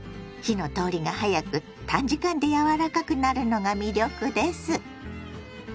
火の通りが早く短時間で柔らかくなるのが魅力です。